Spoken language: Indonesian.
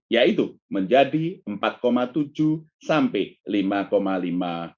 yaitu menjadi empat tujuh sampai lima lima persen